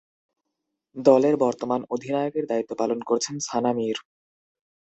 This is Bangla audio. দলের বর্তমান অধিনায়কের দায়িত্ব পালন করছেন সানা মীর।